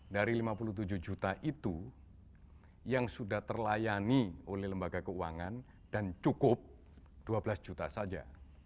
dari lima puluh tujuh juta itu yang sudah terlayani oleh lembaga keuangan dan cukup dua belas juta saja